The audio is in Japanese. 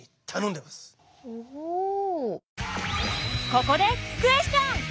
ここでクエスチョン！